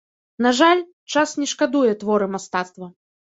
На жаль, час не шкадуе творы мастацтва.